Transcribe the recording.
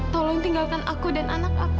tolong tinggalkan aku dan anak aku